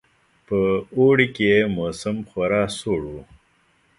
په اوړي کې یې موسم خورا سوړ وو.